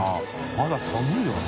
まだ寒いよな